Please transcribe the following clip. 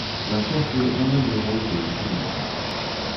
На шчасце, яна легла ўздоўж будынка.